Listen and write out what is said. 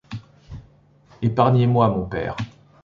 Épargnez-moi, mon père!